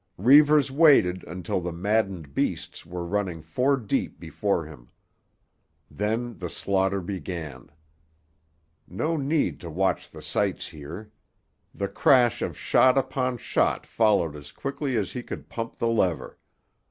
Reivers waited until the maddened beasts were running four deep before him. Then the slaughter began. No need to watch the sights here. The crash of shot upon shot followed as quickly as he could pump the lever.